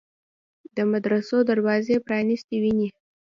د مدرسو دروازې پرانیستې ویني.